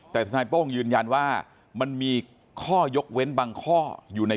แต่ทนายโป้งยืนยันว่ามันมีข้อยกเว้นบางข้ออยู่ใน